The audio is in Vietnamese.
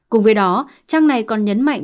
cùng với đó trang này còn nhấn mạnh